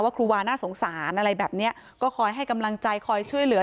ครูวาน่าสงสารอะไรแบบนี้ก็คอยให้กำลังใจคอยช่วยเหลือ